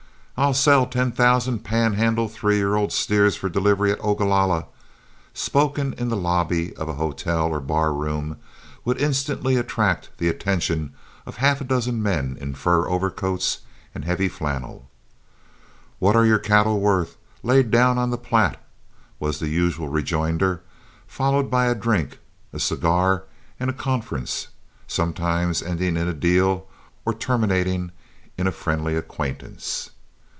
"I'll sell ten thousand Pan Handle three year old steers for delivery at Ogalalla," spoken in the lobby of a hotel or barroom, would instantly attract the attention of half a dozen men in fur overcoats and heavy flannel. "What are your cattle worth laid down on the Platte?" was the usual rejoinder, followed by a drink, a cigar, and a conference, sometimes ending in a deal or terminating in a friendly acquaintance.